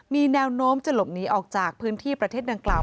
มีแนวโน้มจะหลบหนีออกจากพื้นที่ประเทศดังกล่าว